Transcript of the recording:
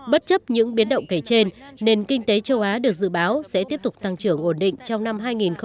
bất chấp những biến động kể trên nền kinh tế châu á được dự báo sẽ tiếp tục tăng trưởng ổn định trong năm hai nghìn hai mươi